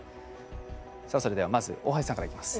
さあそれではまず大橋さんからいきます。